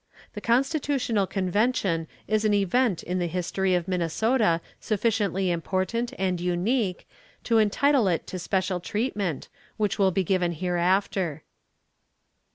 The constitutional convention is an event in the history of Minnesota sufficiently important and unique to entitle it to special treatment, which will be given hereafter.